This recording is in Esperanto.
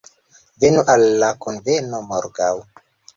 Venu al la kunveno, morgaŭ